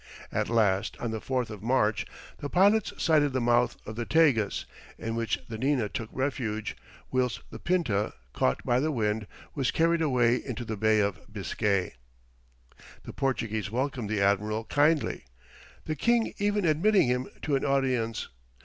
At last, on the 4th of March, the pilots sighted the mouth of the Tagus, in which the Nina took refuge, whilst the Pinta, caught by the wind, was carried away into the Bay of Biscay. The Portuguese welcomed the admiral kindly, the king even admitting him to an audience.